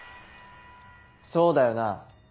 そうだよな？